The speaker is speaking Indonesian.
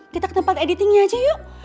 kita ke tempat editingnya aja yuk